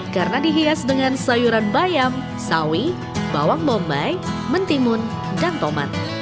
karena dihias dengan sayuran bayam sawi bawang bombay mentimun dan tomat